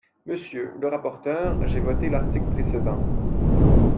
Monsieur le rapporteur, j’ai voté l’article précédent.